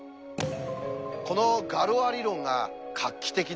このガロア理論が画期的だった点。